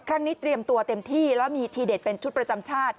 เตรียมตัวเต็มที่แล้วมีทีเด็ดเป็นชุดประจำชาติ